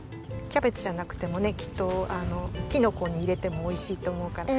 キャベツじゃなくてもねきっとキノコいれてもおいしいとおもうから。